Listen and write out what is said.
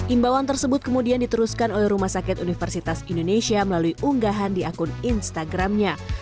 imbauan tersebut kemudian diteruskan oleh rumah sakit universitas indonesia melalui unggahan di akun instagramnya